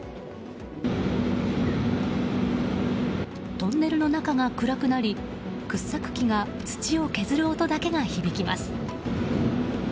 トンネルの中が暗くなり掘削機が土を削る音だけが響きます。